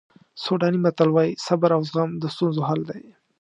سوډاني متل وایي صبر او زغم د ستونزو حل دی.